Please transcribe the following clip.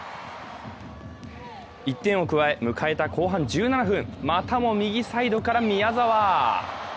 １点を加え、迎えた後半１７分、またも右サイドから宮澤！